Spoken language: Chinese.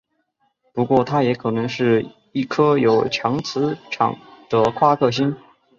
不过它也可能是一颗有强磁场的夸克星。